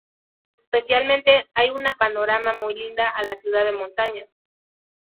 Especialmente hay una panorama muy linda a la ciudad de montañas.